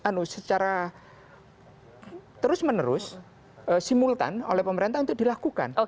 ini secara terus menerus simultan oleh pemerintah itu dilakukan